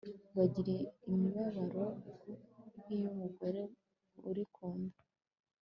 bagira imibabaro nk'iy'umugore uri ku nda